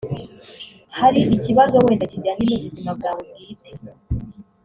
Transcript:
Hari ikibazo wenda kijyanye n’ubuzima bwawe bwite